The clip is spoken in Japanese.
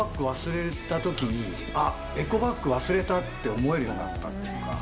エコバッグ忘れたときに、あっ、エコバッグ忘れた！って思えるようになったっていうか。